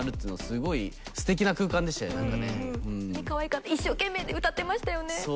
かわいかった一生懸命歌ってましたよね。